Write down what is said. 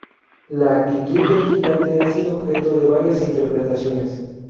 La actitud del gigante ha sido objeto de varias interpretaciones.